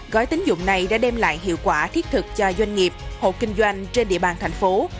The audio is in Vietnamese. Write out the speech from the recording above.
gói tính dụng này đã đem lại hiệu quả thiết thực cho doanh nghiệp hộ kinh doanh trên địa bàn thành phố